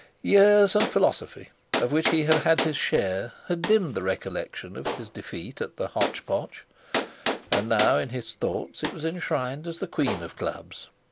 Years and philosophy, of which he had his share, had dimmed the recollection of his defeat at the "Hotch Potch". and now in his thoughts it was enshrined as the Queen of Clubs.